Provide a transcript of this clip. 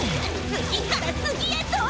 次から次へと！